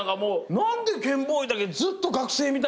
何でケンボーイだけずっと学生みたいなさ。